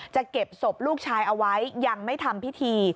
จะเก็บศพลูกชายเอาไว้ยังไม่ทำพิธี